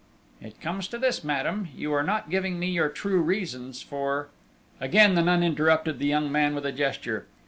"It comes to this, madame, you are not giving me your true reasons for ..." Again the nun interrupted the young man with a gesture.